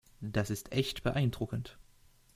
Das ist echt beeindruckend.